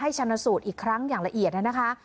ชนะสูตรอีกครั้งอย่างละเอียดนะคะ